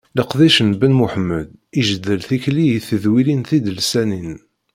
Leqdic n Ben Muḥemmed ijeddel tikli i tedwilin tidelsanin.